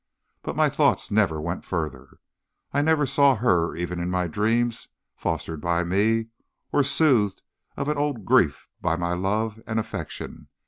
But my thoughts never went further. I never saw her, even in my dreams, fostered by me, or soothed of an old grief by my love and affection.